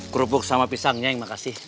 kerupuk sama pisangnya yang makasih